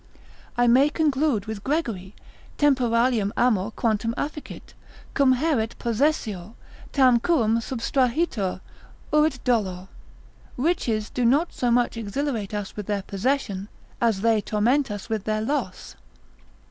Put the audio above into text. I may conclude with Gregory, temporalium amor, quantum afficit, cum haeret possessio, tantum quum subtrahitur, urit dolor; riches do not so much exhilarate us with their possession, as they torment us with their loss.